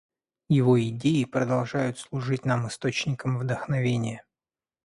Его идеи продолжают служить нам источником вдохновения.